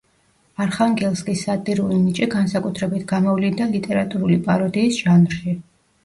არხანგელსკის სატირული ნიჭი განსაკუთრებით გამოვლინდა ლიტერატურული პაროდიის ჟანრში.